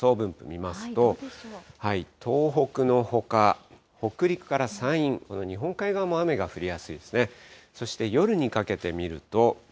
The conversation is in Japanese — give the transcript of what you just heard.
見ますと、東北のほか、北陸から山陰、日本海側も雨が降りやすいですね。